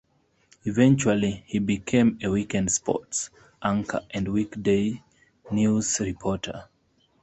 Eventually he became a weekend sports anchor and weekday news reporter.